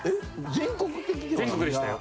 全国でしたよ。